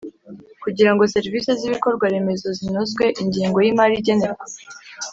Kugirango serivisi z ibikorwa remezo zinozwe ingengo y imari igenerwa